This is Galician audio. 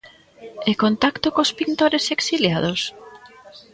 E contacto cos pintores exiliados?